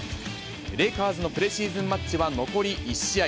レイカーズのプレシーズンマッチは残り１試合。